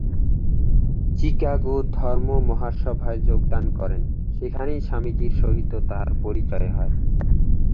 চিকাগো ধর্মমহাসভায় যোগদান করেন, সেখানেই স্বামীজীর সহিত তাঁহার পরিচয় হয়।